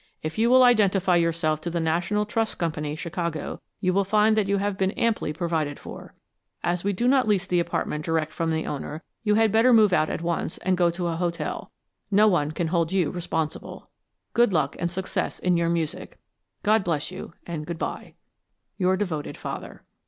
If you will identify yourself to the National Trust Company, Chicago, you will find that you have been amply provided for. As we do not lease the apartment direct from the owner, you had better move out at once and go to an hotel. No one can hold you responsible. Good luck and success in your music. God bless you, and good bye. Your devoted father.